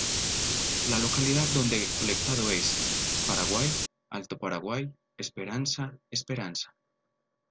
La localidad donde fue colectado es: Paraguay, Alto Paraguay, Esperanza, Esperanza.